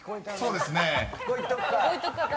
［そうですね］